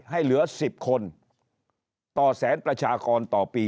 ให้เหลือ๑๐คนต่อแสนประชากรต่อปี